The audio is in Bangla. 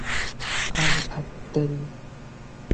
আহ, ধ্যাত্তেরি!